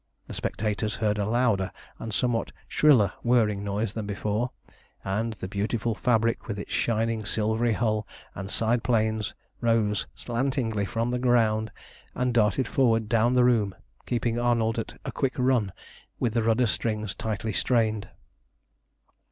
The spectators heard a louder and somewhat shriller whirring noise than before, and the beautiful fabric, with its shining, silvery hull and side planes, rose slantingly from the ground and darted forward down the room, keeping Arnold at a quick run with the rudder strings tightly strained.